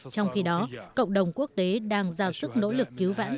trong khi đó cộng đồng quốc tế đang ra sức nỗ lực cứu vãn